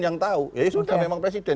yang tahu ya sudah memang presiden